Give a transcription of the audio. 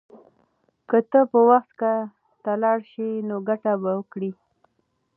که ته په وخت کار ته لاړ شې نو ګټه به وکړې.